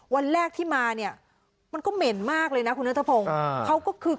วันแรกที่มามันก็เหม็นมากเลยนะคุณน้ำทะพง